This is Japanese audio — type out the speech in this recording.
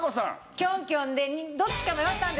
キョンキョンでどっちか迷ったんです。